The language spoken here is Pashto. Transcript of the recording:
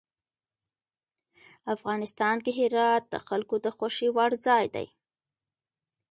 افغانستان کې هرات د خلکو د خوښې وړ ځای دی.